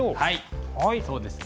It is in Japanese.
はいそうですね。